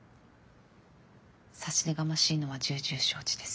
差し出がましいのは重々承知です。